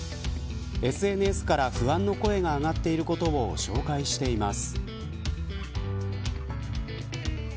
ＳＮＳから不安の声が上がっていることを紹介しています。